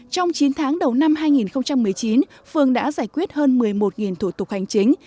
trong chín tháng đầu năm hai nghìn một mươi chín phương đã giải quyết hơn một mươi một thủ tục hành chính